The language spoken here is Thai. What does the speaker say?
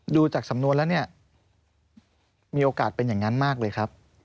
ดูจากสำนวนแล้วเนี่ยมีโอกาสเป็นอย่างนั้นมากเลยครับ